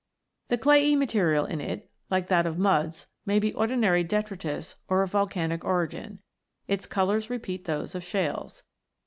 The clayey material in it, like that of muds, may be ordinary detritus or of volcanic origin ; its colours repeat those of shales.